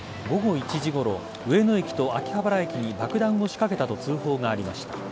午後１時ごろ上野駅と秋葉原駅に爆弾を仕掛けたと通報がありました。